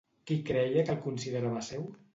Qui creia que el considerava seu?